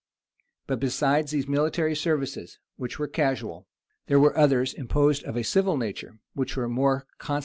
But besides these military services, which were casual, there were others imposed of a civil nature, which were more constant and durable.